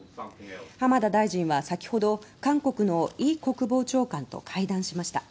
浜田大臣は先ほど韓国のイ国防長官と会談しました。